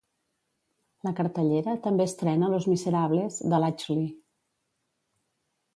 La cartellera també estrena "Los miserables" de Ladj Ly.